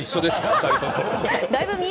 ２人とも。